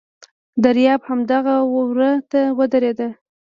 دریاب همدغه وره ته ودرېد.